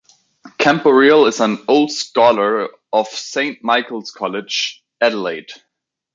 Camporeale is an old scholar of Saint Michael's College, Adelaide.